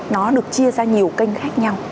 nó được chia ra nhiều kênh khác nhau